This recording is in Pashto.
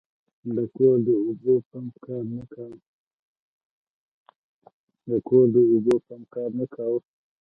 د کور د اوبو پمپ کار نه کاوه.